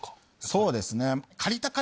そうですね。